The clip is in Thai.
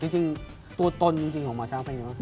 ถือจริงตัวตนของหมอช้างเป็นยังไงว่ะ